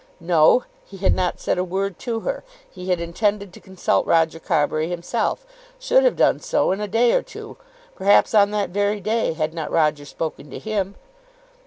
No; he had not said a word to her. He had intended to consult Roger Carbury himself, should have done so in a day or two, perhaps on that very day had not Roger spoken to him.